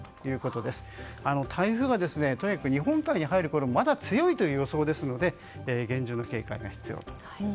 とにかく台風が日本海に入るころでもまだ強いという予想ですので厳重な警戒が必要です。